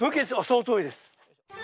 そのとおりです。